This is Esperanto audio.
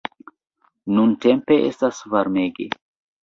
Nuntempe estas varmege.